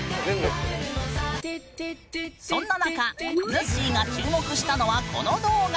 そんな中ぬっしーが注目したのはこの動画！